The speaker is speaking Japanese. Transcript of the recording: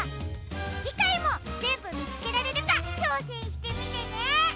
じかいもぜんぶみつけられるかちょうせんしてみてね！